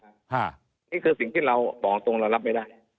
อันนี้คือสิ่งที่เราบอกตรงเรารับไม่ได้